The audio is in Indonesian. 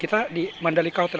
kita di mandalika hotel